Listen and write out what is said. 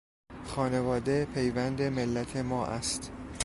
خانواده پیوند ملت ما است.